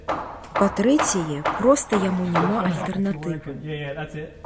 Па-трэцяе, проста яму няма альтэрнатывы.